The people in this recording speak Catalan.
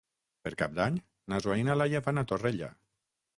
Per Cap d'Any na Zoè i na Laia van a Torrella.